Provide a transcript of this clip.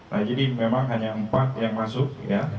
nah jadi memang hanya empat yang masuk ya